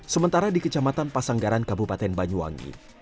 sementara di kecamatan pasanggaran kabupaten banyuwangi